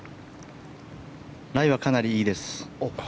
ライはかなりいいです。